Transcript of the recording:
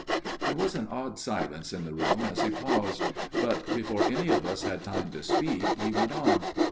There was an odd silence in the room as he paused ; but before any of us had time to speak he went on.